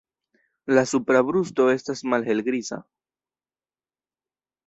La supra brusto estas malhelgriza.